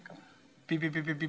ピピピピピ。